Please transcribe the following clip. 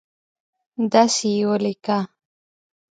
دسي یې ولیکه